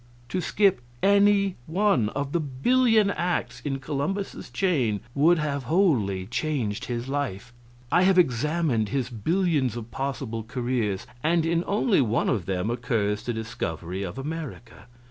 To skip any one of the billion acts in Columbus's chain would have wholly changed his life. I have examined his billion of possible careers, and in only one of them occurs the discovery of America.